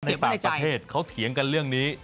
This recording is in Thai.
ในต่างประเทศเขาเถียงกันเรื่องนี้